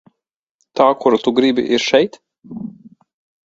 Tā kuru tu gribi, ir šeit?